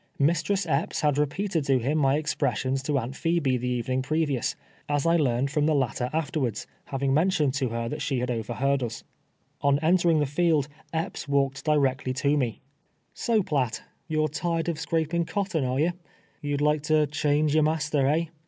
Mis tress Epps had repeated to him my expressions to Aunt Phebe the evening previous, as I learned from the latter afterwards, the mistress having mentioned 2o2 TWELVE YEAE3 A SLATE. to lier tluit slie liad overlieard lis. On entering the Held, E2){)S walked directly to me. '' So, Phitt, you're tired of scraping cotton, are you? You would like to change your master, eh?